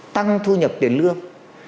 tăng thu nhập tiền lương